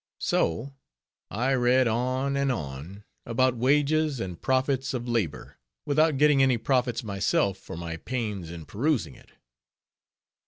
So I read on and on, about "wages and profits of labor," without getting any profits myself for my pains in perusing it.